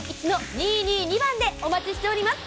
４４１‐２２２番でお待ちしております。